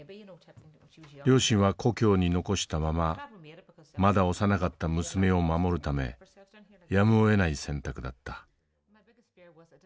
両親は故郷に残したまままだ幼かった娘を守るためやむをえない選択だった。